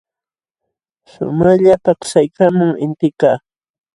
Shumaqlla paksaykaamun intikaq.